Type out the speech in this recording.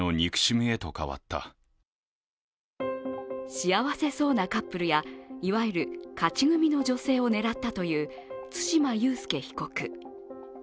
幸せそうなカップルや、いわゆる勝ち組の女性を狙ったという対馬悠介被告。